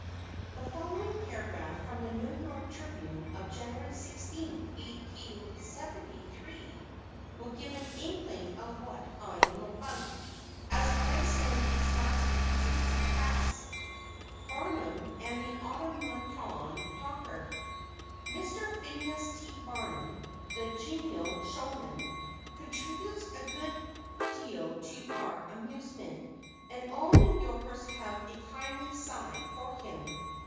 The following paragraph from the New York Tribune of January 16, 1873, will give an inkling of what I am about, as I send these last pages to press: BARNUM AND THE AUTOMATON TALKER. Mr. Phineas T. Barnum, the genial showman, contributes a good deal to our amusement, and all New Yorkers have a kindly side for him.